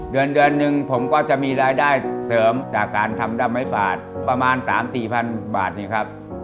เดือนหนึ่งผมก็จะมีรายได้เสริมจากการทำตัดไม้ฝาดประมาณ๓๐๐๐๔๐๐๐บาทครับ